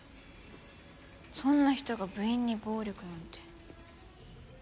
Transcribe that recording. そんな人が部員に暴力なんて。